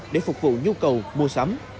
để phục vụ nhu cầu mua sắm